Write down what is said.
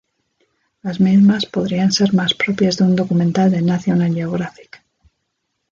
Las mismas podrían ser más propias de un documental del "National Geographic".